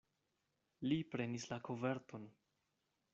Li prenis la koverton.